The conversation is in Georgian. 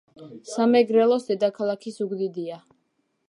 სამეგრელოს დედაქალაქი ზუგდიდია.